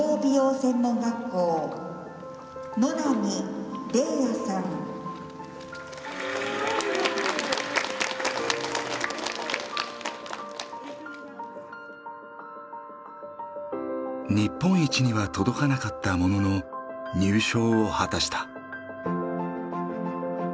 専門学校日本一には届かなかったものの入賞を果たした。